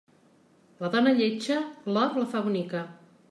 La dona lletja, l'or la fa bonica.